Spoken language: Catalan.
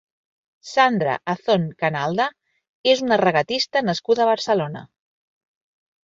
Sandra Azón Canalda és una regatista nascuda a Barcelona.